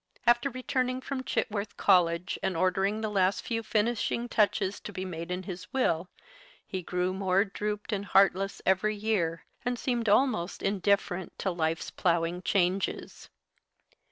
After returning from Chitworth College, and ordering the last few finishing touches to be made in his will, he grew more drooped and heartless every year, and seemed almost indifferent to life's ploughing changes.